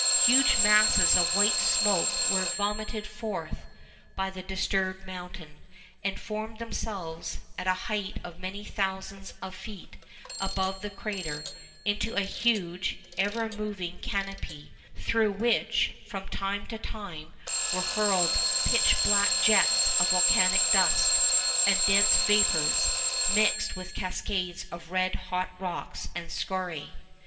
Huge masses of white smoke were vomited forth by the disturbed mountain, and formed themselves, at a height of many thousands of feet above the crater, into a huge, ever moving canopy, through which, from time to time, were hurled pitch black jets of volcanic dust, and dense vapours, mixed with cascades of red hot rocks and scoriæ.